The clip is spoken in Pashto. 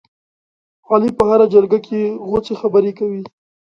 علي په هره جرګه کې غوڅې خبرې کوي.